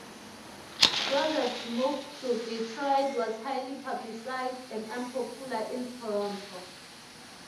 Joseph's move to Detroit was highly publicized and unpopular in Toronto.